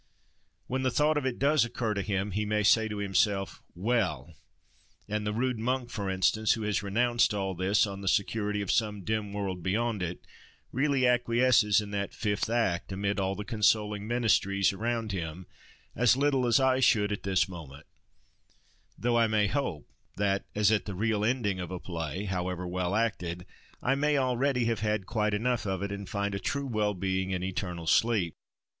When the thought of it does occur to him, he may say to himself:—Well! and the rude monk, for instance, who has renounced all this, on the security of some dim world beyond it, really acquiesces in that "fifth act," amid all the consoling ministries around him, as little as I should at this moment; though I may hope, that, as at the real ending of a play, however well acted, I may already have had quite enough of it, and find a true well being in eternal sleep.